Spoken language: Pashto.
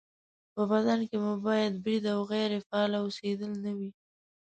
په بدن کې مو باید برید او غیرې فعاله اوسېدل نه وي